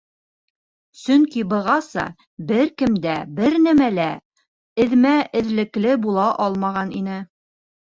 Сөнки бығаса бер кем дә, бер нимәлә лә эҙмә-эҙлекле була алмаған ине.